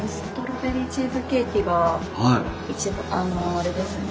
あれですね